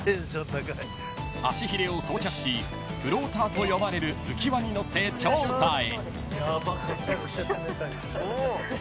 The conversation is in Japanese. ［足ひれを装着しフローターと呼ばれる浮輪に乗って調査へ］